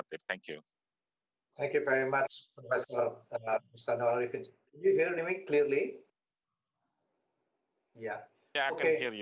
dan perangkat perangkat perangkat